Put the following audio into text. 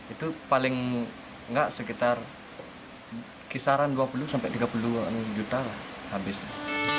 itu paling nggak sekitar kisaran dua puluh sampai tiga puluh an juta lah habisnya